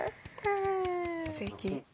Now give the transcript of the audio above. すてき。